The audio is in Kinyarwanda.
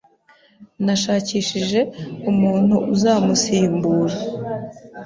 Nashakishije umuntu uzamusimbura.